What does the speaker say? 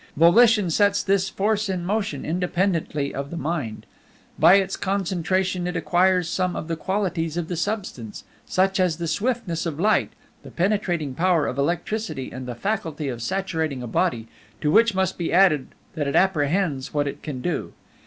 Volition sets this force in motion independently of the Mind. By its concentration it acquires some of the qualities of the Substance, such as the swiftness of light, the penetrating power of electricity, and the faculty of saturating a body; to which must be added that it apprehends what it can do.